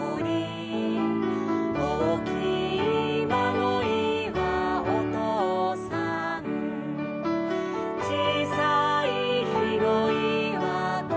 「おおきいまごいはおとうさん」「ちいさいひごいはこどもたち」